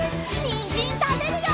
にんじんたべるよ！